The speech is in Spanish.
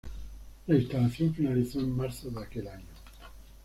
La instalación finalizó en marzo de aquel año.